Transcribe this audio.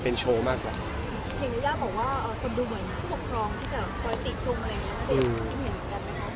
เพลงนี้ได้บอกว่าคนดูเหมือนผู้ปกครองที่จะประติชมอะไรอย่างนั้นนะครับ